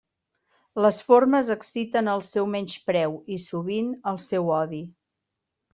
Les formes exciten el seu menyspreu i sovint el seu odi.